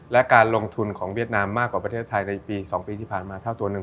และการลงทุนของเวียดนามมากกว่าประเทศไทยในปี๒ปีที่ผ่านมาเท่าตัวหนึ่ง